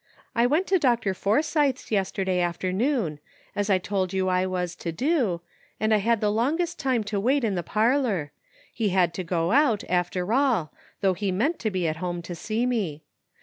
I went to Dr. Forsythe's yesterdaj' afternoon, as I told you I was to do, and I had the longest time to wait in the parlor — he had to go out, after all, though he meant to be at home to see me.